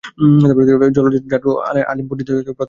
চলচ্চিত্রটি রাজু আলীম পরিচালিত প্রথম চলচ্চিত্র।